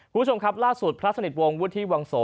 ผู้ชมครับล่าสุดพระสันติดวงวุฒิวางโส